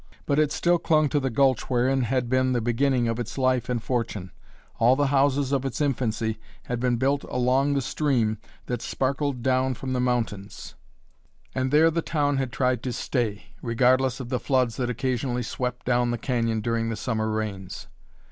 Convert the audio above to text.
But it still clung to the gulch wherein had been the beginning of its life and fortune. All the houses of its infancy had been built along the stream that sparkled down from the mountains, and there the town had tried to stay, regardless of the floods that occasionally swept down the canyon during the Summer rains.